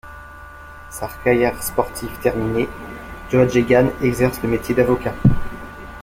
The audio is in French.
Sa carrière sportive terminée, Geoghegan exerce le métier d'avocat.